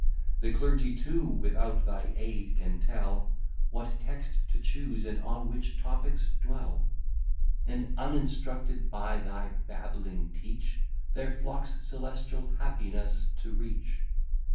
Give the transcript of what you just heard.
The clergy too, without thy aid, can tell What texts to choose, and on what topics dwell; And, uninstructed by thy babbling, teach Their flocks celestial happiness to reach.